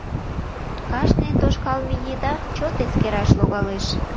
Кажне тошкалме еда чот эскераш логалеш.